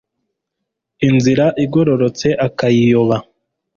inzira igororotse akayiyoba